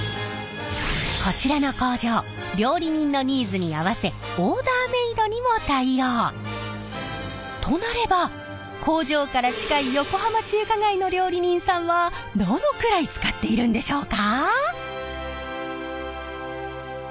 こちらの工場料理人のとなれば工場から近い横浜中華街の料理人さんはどのくらい使っているんでしょうか？